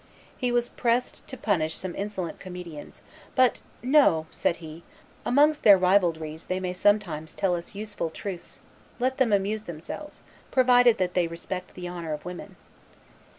He was pressed to punish some insolent comedians; but, "No," said he, "amongst their ribaldries they may sometimes tell us useful truths let them amuse themselves, provided that they respect the honor of women."